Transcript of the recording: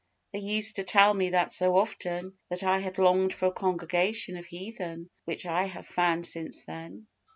They used to tell me that so often, that I longed for a congregation of heathen, which I have found since then.